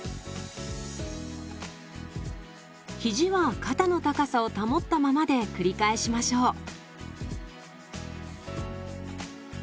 肘は肩の高さを保ったままで繰り返しましょう。